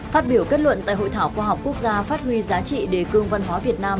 phát biểu kết luận tại hội thảo khoa học quốc gia phát huy giá trị đề cương văn hóa việt nam